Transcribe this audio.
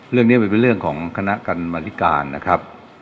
เรื่องนี้มันเป็นเรื่องของคณะกรรมธิการนะครับ